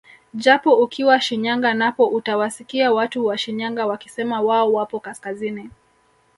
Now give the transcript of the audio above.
Japo ukiwa Shinyanga napo utawasikia watu wa Shinyanga wakisema wao wapo kaskazini